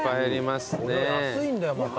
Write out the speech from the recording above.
安いんだよまた。